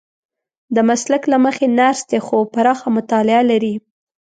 د مسلک له مخې نرس دی خو پراخه مطالعه لري.